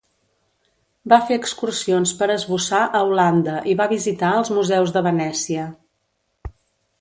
Va fer excursions per esbossar a Holanda i va visitar els museus de Venècia.